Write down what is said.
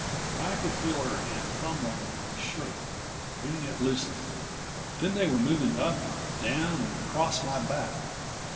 I could feel her hand fumbling with my shirt, getting it loosened. Then they were moving up, down and across my back.